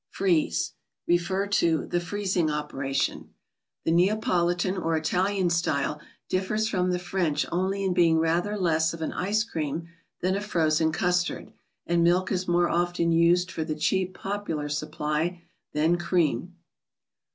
Freeze—(refer to " The Freezing Operation "). The Neapolitan, or Italian style, differs from the French only in being rather less of an ice cream than a frozen custard ; and milk is more often used for the cheap, popular supply than cream.